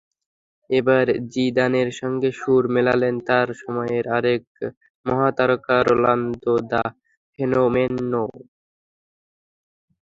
এবার জিদানের সঙ্গে সুর মেলালেন তাঁর সময়েরই আরেক মহাতারকা রোনালদো—দ্য ফেনোমেননও।